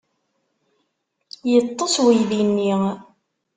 Yeṭṭes uydi-ni.